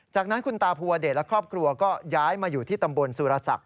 จากนั้นคุณตาภูวเดชและครอบครัวก็ย้ายมาอยู่ที่ตำบลสุรศักดิ